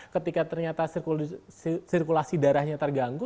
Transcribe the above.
ketika ternyata sirkulasi darahnya terganggu